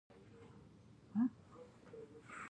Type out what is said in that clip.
هلمند د افغانستان د لویو ولایتونو څخه دی